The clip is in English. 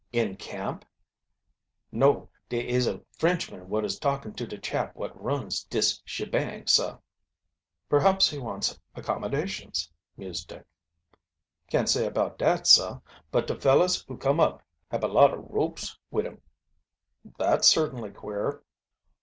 "In camp?" "No; dare is a Frenchman wot is talkin' to dah chap wot runs dis shebang, sah." "Perhaps he wants accommodations," mused Dick. "Can't say about dat, sah. But de fellers who come up hab a lot ob ropes wid 'em." "That's certainly queer."